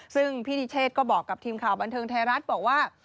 ซึ่งพี่นิเชษก็บอกกับทีมข่าวบันเทิงไทยรัฐบอกว่า